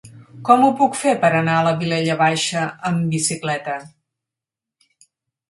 Com ho puc fer per anar a la Vilella Baixa amb bicicleta?